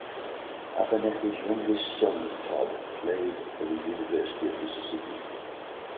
Abernethy's youngest son, Todd, played for the University of Mississippi.